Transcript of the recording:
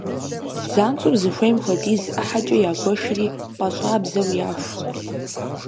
Занщӏэу зыхуейм хуэдиз ӏыхьэкӏэ ягуэшри пӏащӏабзэу яху.